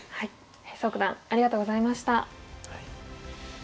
蘇九段ありがとうございました。